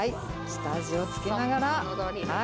下味を付けながら。